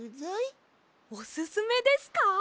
おすすめですか？